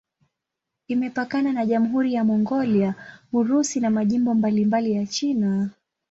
Imepakana na Jamhuri ya Mongolia, Urusi na majimbo mbalimbali ya China.